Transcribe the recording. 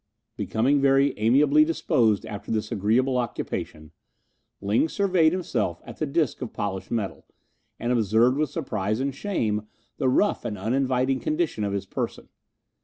Becoming very amiably disposed after this agreeable occupation, Ling surveyed himself at the disc of polished metal, and observed with surprise and shame the rough and uninviting condition of his person.